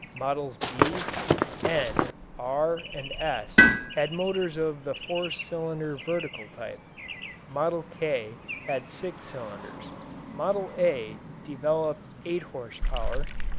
Models "B," "N," "R," and "S" had motors of the four cylinder vertical type. "Model K" had six cylinders. "Model A" developed eight horsepower.